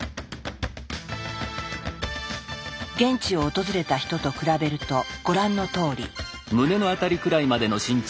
現地を訪れた人と比べるとご覧のとおり。